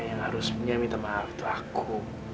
yang harus punya minta maaf itu aku